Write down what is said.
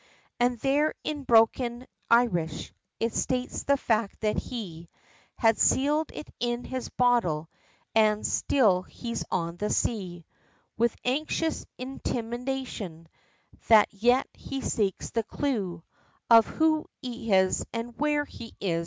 And there in broken Irish, it states the fact, that he Had sealed it in his bottle, and still he's on the sea, With anxious intimation, that yet he seeks the clew, Of who he is? and where he is?